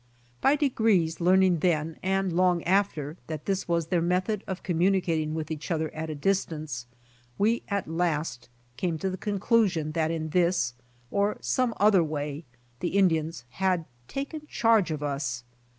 By degrees learn ing then and long after that this was their method of communicating with each other at a distance, we at last came to the conclusion that in this or some other way the Indians had taken charge of us.